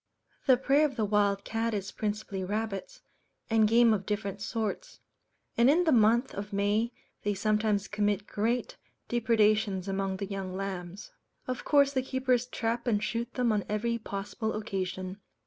The prey of the Wild Cat is principally rabbits, and game of different sorts; and in the month of May they sometimes commit great depredations among the young lambs. Of course the keepers trap and shoot them on every possible occasion.